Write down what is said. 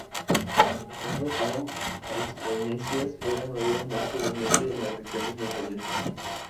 Las lenguas no-austronesias eran oídas más comúnmente en las regiones montañosas.